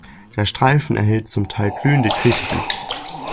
Der Streifen erhielt zum Teil glühende Kritiken.